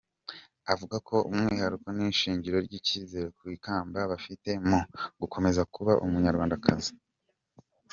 Avuga ko umwihariko n’ishingiro ry’icyizere ku ikamba abifite mu gukomeza kuba Umunyarwandakazi.